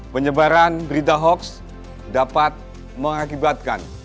penyebaran berita hoax dapat mengakibatkan